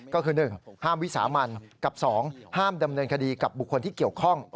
ก็คือ๑ห้ามวิสามันกับ๒ห้ามดำเนินคดีกับบุคคลที่เกี่ยวข้อง